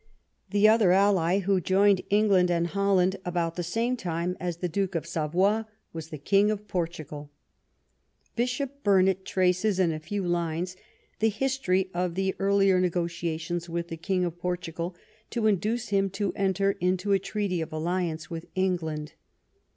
The other ally who joined England and Holland about the same time as the Duke of Savoy was the Eang of Portugal. Bishop Burnet traces, in a few lines, the history of the earlier negotiations with the King of Portugal to induce him to enter into a treaty of alliance with England.